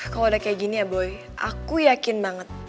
kalau udah kayak gini ya boy aku yakin banget